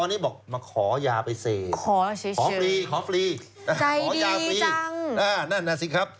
นั้นน่ะสิครับ